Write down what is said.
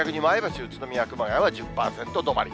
宇都宮、熊谷は１０％止まりと。